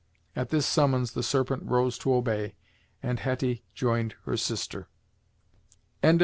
At this summons the Serpent arose to obey, and Hetty joined her sister. Chapter XIV.